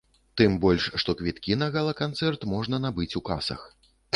Тым больш, што квіткі на гала-канцэрт можна набыць у касах.